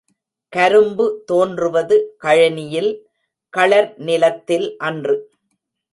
கரும்பு தோன்றுவது கழனியில், களர் நிலத்தில் அன்று.